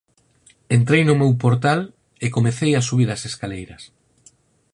Entrei no meu portal e comecei a subir as escaleiras.